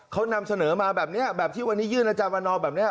เขานำเสนอมาแบบนี้แบบที่วันนี้ยื่นอาจารย์วันนอแบบนี้